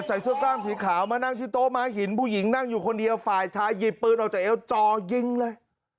เสื้อกล้ามสีขาวมานั่งที่โต๊ะม้าหินผู้หญิงนั่งอยู่คนเดียวฝ่ายชายหยิบปืนออกจากเอวจ่อยิงเลย